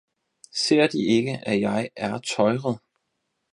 ser De ikke, at jeg er tøjret!